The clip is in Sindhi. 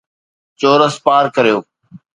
چورس پار ڪريو